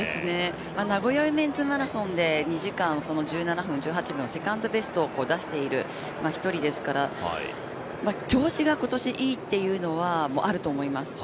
名古屋ウィメンズマラソンで２時間１７分１８秒のセカンドベストを出している一人ですから調子が今年、いいっていうのはあると思います。